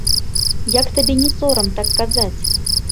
Як табе не сорам так казаць?